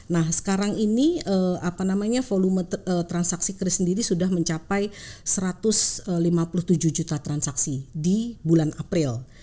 nah sekarang ini volume transaksi kris sendiri sudah mencapai satu ratus lima puluh tujuh juta transaksi di bulan april